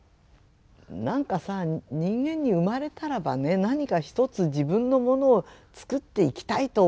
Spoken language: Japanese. なんかさ人間に生まれたらばね何か一つ自分のものを作っていきたいと思うじゃありませんか。